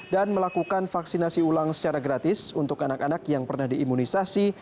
dan melakukan vaksinasi ulang secara gratis untuk anak anak yang pernah diimunisasi